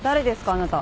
あなた。